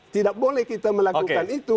tidak boleh kita melakukan itu